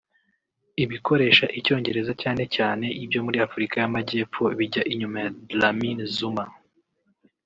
ibikoresha Icyongereza cyane cyane ibyo muri Afurika y’Amajyepfo bijya inyuma ya Dlamini-Zuma